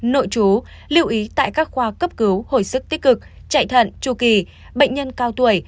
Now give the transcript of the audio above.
nội chú lưu ý tại các khoa cấp cứu hồi sức tích cực chạy thận tru kỳ bệnh nhân cao tuổi